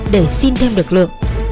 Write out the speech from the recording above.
để xin thêm được lượng